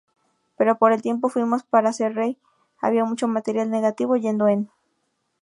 Pero por el tiempo fuimos para hacer Rey, había mucho material negativo yendo en.